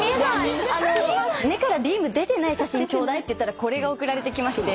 目からビーム出てない写真ちょうだいって言ったらこれが送られてきまして。